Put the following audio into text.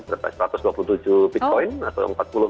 mencapai satu ratus dua puluh tujuh bitcoin atau empat puluh empat